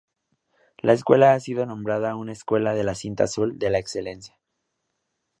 La escuela ha sido nombrada una Escuela de la cinta azul de la excelencia.